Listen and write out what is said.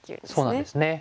そうなんですね。